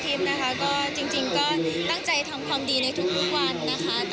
นะคะก็จริงก็ตั้งใจทำความดีในทุกวันนะคะ